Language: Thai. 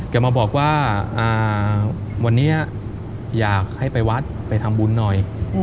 แกมาบอกว่าวันนี้อยากให้ไปวัดไปทำบุญหน่อย